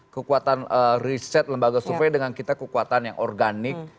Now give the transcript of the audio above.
kekuatan riset lembaga survei dengan kita kekuatan yang organik